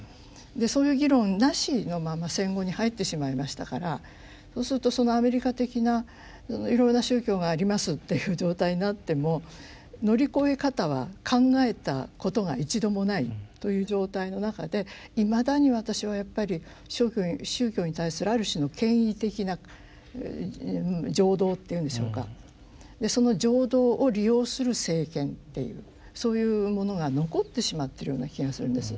そういう議論なしのまま戦後に入ってしまいましたからそうするとアメリカ的ないろんな宗教がありますっていう状態になっても乗り越え方は考えたことが一度もないという状態の中でいまだに私はやっぱり宗教に対するある種の権威的な情動っていうんでしょうかその情動を利用する政権っていうそういうものが残ってしまってるような気がするんです。